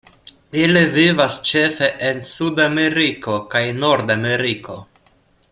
Ili vivas ĉefe en Sudameriko kaj Nordameriko.